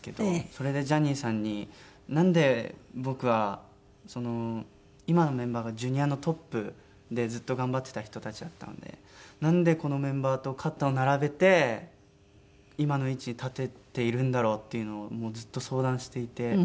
それでジャニーさんになんで僕はその今のメンバーがＪｒ．のトップでずっと頑張ってた人たちだったのでなんでこのメンバーと肩を並べて今の位置に立てているんだろうっていうのをもうずっと相談していて。